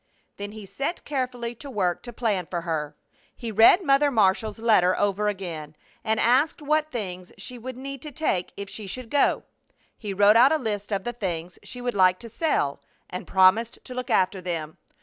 Then he set carefully to work to plan for her. He read Mother Marshall's letter over again, and asked what things she would need to take if she should go. He wrote out a list of the things she would like to sell, and promised to look after them.